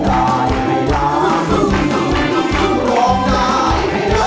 นักสู้ทิ้งคลาน